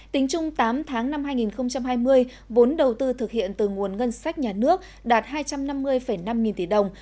tính chung tám tháng năm hai nghìn hai mươi vốn đầu tư thực hiện từ nguồn ngân sách nhà nước đạt hai trăm năm mươi năm nghìn tỷ đồng